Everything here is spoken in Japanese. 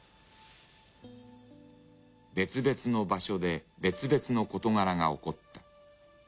別々の場所で別々の事柄が起こった。